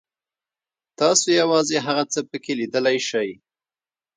تاسو یوازې هغه څه پکې لیدلی شئ.